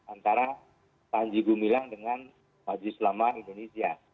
antara panji gumilang dengan majelis selama indonesia